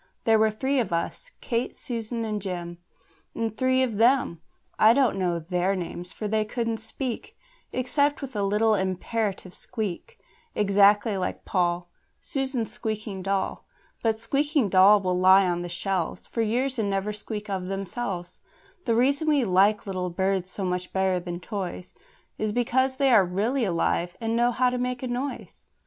There were three of us Kate, and Susan, and Jem And three of them I don't know their names, for they couldn't speak, Except with a little imperative squeak, Exactly like Poll, Susan's squeaking doll; But squeaking dolls will lie on the shelves For years and never squeak of themselves: The reason we like little birds so much better than toys Is because they are really alive, and know how to make a noise.